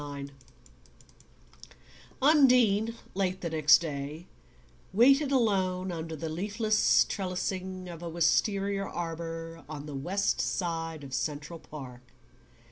IX Undine, late the next day, waited alone under the leafless trellising of a wistaria arbour on the west side of the Central Park.